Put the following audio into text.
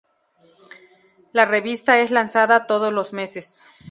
La revista es lanzada todos los meses.